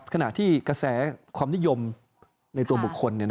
ขณะที่กระแสความนิยมในตัวบุคคล